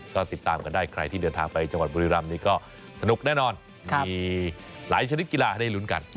ก็ติดตามกันได้ใครที่เดินทางไปจังหวัดบุรีรำนี้ก็สนุกแน่นอนมีหลายชนิดกีฬาให้ได้ลุ้นกัน